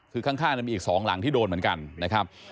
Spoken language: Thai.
คือข้างมีอีก๒หลังที่โดนเหมือนกันนะครับ